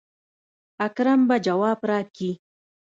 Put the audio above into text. اکرم به جواب راکي.